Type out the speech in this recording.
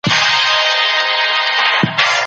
په دغي کوڅې کي ډېره ګڼه وه.